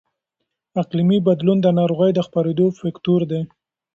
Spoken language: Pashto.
اقلیمي بدلون د ناروغۍ د خپرېدو فکتور دی.